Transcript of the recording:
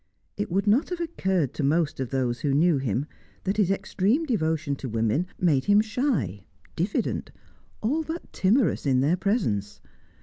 It would not have occurred to most of those who knew him that his extreme devotion to women made him shy, diffident, all but timorous in their presence.